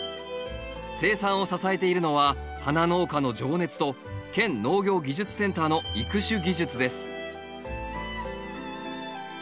生産を支えているのは花農家の情熱と県農業技術センターの育種技術です